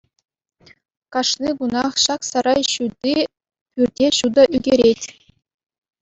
Кашни кунах ҫак сарай ҫути пӳрте ҫутӑ ӳкерет.